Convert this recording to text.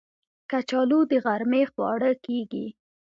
کچالو د غرمې خواړه کېږي